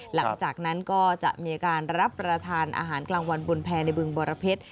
หลังจากนั้นก็จะมีการรับประทานอาหารกลางวันบนแพรในบึงบรเพชร